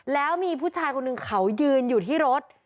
แล้วมีผู้ชายคนหนึ่งเขายืนอยู่ที่รถ